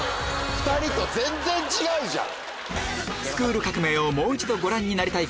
２人と全然違うじゃん！